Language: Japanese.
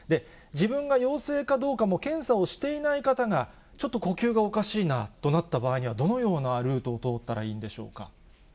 自分が陽性かどうかも検査をしていない方が、ちょっと呼吸がおかしいなとなった場合には、どのようなルートを通ったらいいんでしょうか。